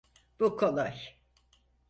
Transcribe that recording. Bu kolay.